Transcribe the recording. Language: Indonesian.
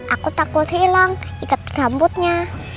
aku takut hilang ikat rambutnya